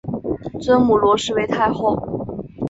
尊母罗氏为太后。